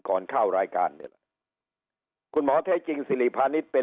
ก่อนเข้ารายการนี่แหละคุณหมอแท้จริงสิริพาณิชย์เป็น